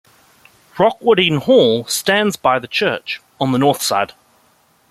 Wrockwardine Hall stands by the church, on the north side.